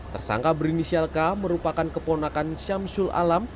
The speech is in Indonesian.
tersangka brinishalka merupakan keponakan syamsul alam